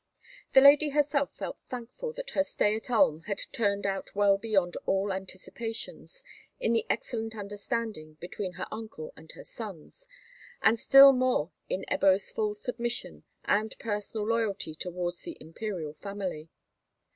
The lady herself felt thankful that her stay at Ulm had turned out well beyond all anticipations in the excellent understanding between her uncle and her sons, and still more in Ebbo's full submission and personal loyalty towards the imperial family.